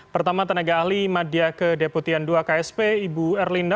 pertama tenaga ahli media kedeputian dua ksp ibu erlina